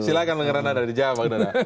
silahkan menggeran ada di jam pak gnana